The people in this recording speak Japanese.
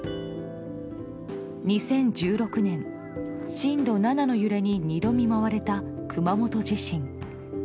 ２０１６年、震度７の揺れに２度見舞われた熊本地震。